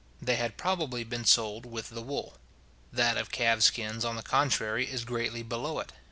They had probably been sold with the wool. That of calves skins, on the contrary, is greatly below it.